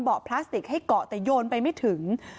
พลาสติกให้เกาะแต่โยนไปไม่ถึง